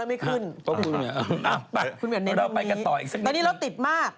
เราไปกันต่ออีกสักนิดนึงตอนนี้รถติดมาก